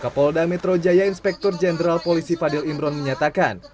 kapolda metro jaya inspektur jenderal polisi fadil imron menyatakan